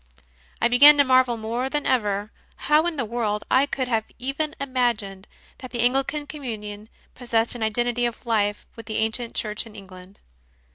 I began to marvel more than ever how in the world I could have even imagined that the Anglican Communion possessed an identity of life with the ancient Church in England.